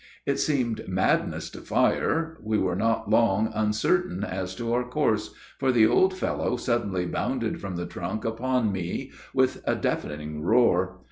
It seemed madness to fire. We were not long uncertain as to our course, for the old fellow suddenly bounded from the trunk upon me, with a deafening roar.